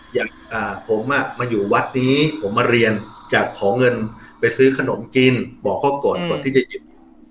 อย่างผมมาอยู่วัดนี้ผมมาเรียนอยากขอเงินไปซื้อขนมกินบอกเขาก่อนก่อนที่จะหยิบ